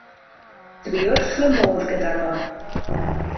Dw i wrth 'y modd gydag o.